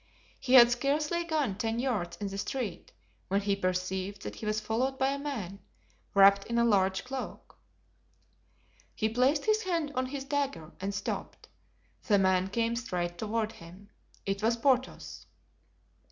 He had scarcely gone ten yards in the street when he perceived that he was followed by a man, wrapped in a large cloak. He placed his hand on his dagger and stopped. The man came straight toward him. It was Porthos.